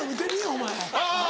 お前。